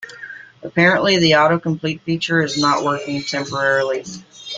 Apparently, the autocomplete feature is not working temporarily.